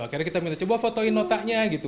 akhirnya kita minta coba fotoin notanya gitu